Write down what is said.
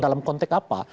dalam konteks apa